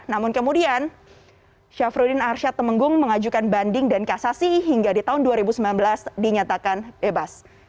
namun kemudian syafruddin arsyad temenggung mengajukan banding dan kasasi hingga di tahun dua ribu sembilan belas dinyatakan bebas